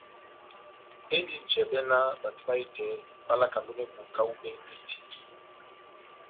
Endi njɛbɛ ná bato bahitɛ bá lakand'ó meboka u'bɛne tina.